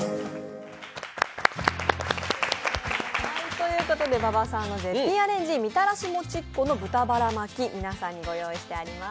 ということで馬場さんの絶品アレンジ、みたらしもちっこ豚バラ巻き、皆さんにご用意しています。